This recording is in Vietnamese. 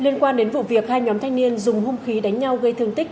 liên quan đến vụ việc hai nhóm thanh niên dùng hung khí đánh nhau gây thương tích